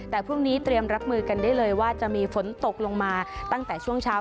แต่พรุ่งนี้เตรียมรับมือกันได้เลยว่าจะมีฝนตกลงมาตั้งแต่ช่วงเช้า